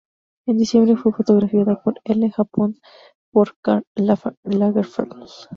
En diciembre fue fotografiada para "Elle" Japón, por Karl Lagerfeld.